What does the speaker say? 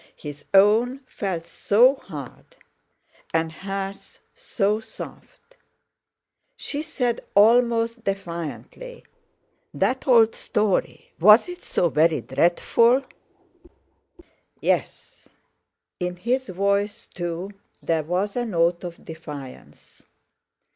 His own felt so hard and hers so soft. She said almost defiantly: "That old story—was it so very dreadful?" "Yes." In his voice, too, there was a note of defiance.